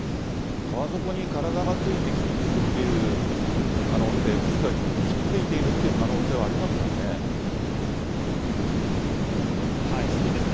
川底に体がついて傷つくって可能性、もしくはもう傷ついているっていう可能性はありますもんね。